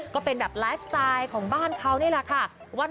ก็เป็นแบบไลฟ์สไตล์ของบ้านเขานี่แหละค่ะ